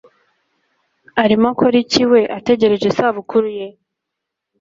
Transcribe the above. Arimo akora iki We ategereje isabukuru ye